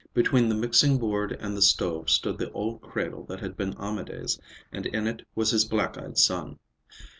Between the mixing board and the stove stood the old cradle that had been Amédée's, and in it was his black eyed son.